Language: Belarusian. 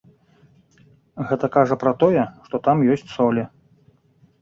Гэта кажа пра тое, што там ёсць солі.